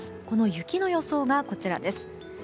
この雪の予想がこちらです。